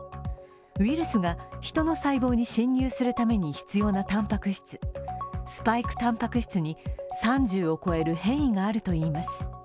ウイルスがヒトの細胞に侵入するために必要なたんぱく質、スパイクたんぱく質に３０を超える変異があるといいます。